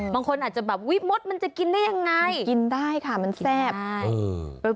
บางคนอาจจะแบบอุ๊ยมดมันจะกินได้ยังไงกินได้ค่ะมันแซ่บ